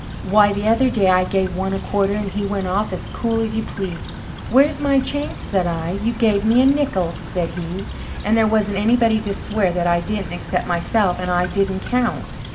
Why, the other day, I gave one a quarter and he went off as cool as you please. 'Where's my change?' said I. 'You gave me a nickel,' said he. And there wasn't anybody to swear that I didn't except myself, and I didn't count."